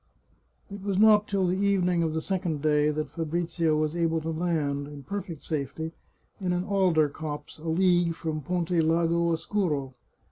It was not till the evening of the second day that Fa brizio was able to land, in perfect safety, in an alder copse a league from Ponte Lago Oscuro.